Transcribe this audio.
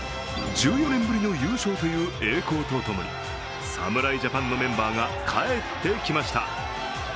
１４年ぶりの優勝という栄光とともに侍ジャパンのメンバーが帰ってきました。